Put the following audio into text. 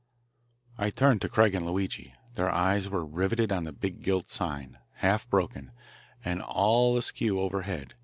I turned to Craig and Luigi. Their eyes were riveted on the big gilt sign, half broken, and all askew overhead.